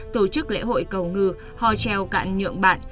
tổ chức lễ hội cầu ngư hò treo cạn nhượng bạn